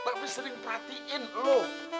mbak peh sering perhatiin lo